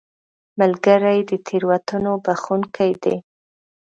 ملګری د تېروتنو بخښونکی دی